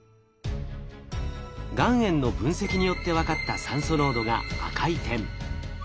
岩塩の分析によって分かった酸素濃度が赤い点。